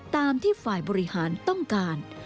ตามที่ฝ่ายบริหารต้องการ